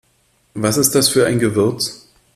Was ist das für ein Gewürz?